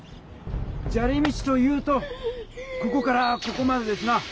じゃり道というとここからここまでですな。